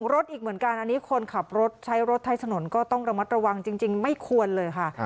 รถอีกเหมือนกันอันนี้คนขับรถใช้รถใช้ถนนก็ต้องระมัดระวังจริงไม่ควรเลยค่ะ